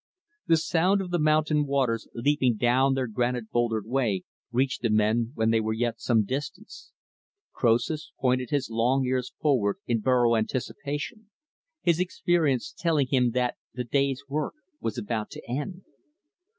The sound of the mountain waters leaping down their granite bouldered way reached the men while they were yet some distance. Croesus pointed his long ears forward in burro anticipation his experience telling him that the day's work was about to end.